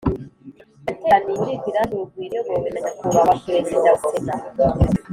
Yateraniye muri village urugwiro iyobowe na nyakubahwa perezida wa sena